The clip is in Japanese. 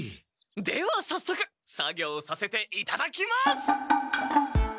ではさっそく作業させていただきます！